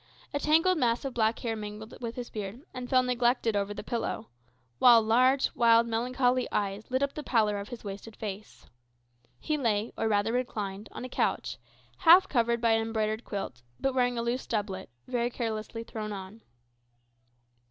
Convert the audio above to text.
A tangled mass of black hair mingled with his beard, and fell neglected over the pillow; while large, wild, melancholy eyes lit up the pallor of his wasted face. He lay, or rather reclined, on a couch, half covered by an embroidered quilt, but wearing a loose doublet, very carelessly thrown on.